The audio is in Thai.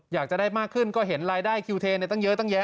อยากจะได้มากขึ้นก็เห็นรายได้คิวเทนตั้งเยอะตั้งแย